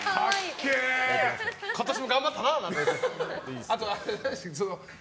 今年も頑張ったなって言って。